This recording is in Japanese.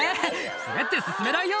滑って進めないよ」